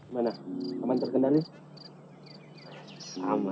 mana teman terkenal ini sama